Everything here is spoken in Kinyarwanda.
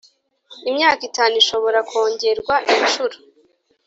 imyaka itanu ishobora kongerwa inshuro